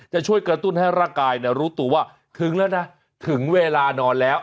จะช่วยกระตุ้นให้ร่างกายรู้ตัวว่าถึงแล้วนะถึงเวลานอนแล้ว